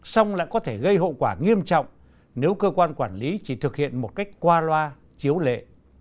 xong lại có thể gây hậu quả nghiêm trọng nếu cơ quan quản lý chỉ thực hiện một cách qua loa chiếu lệ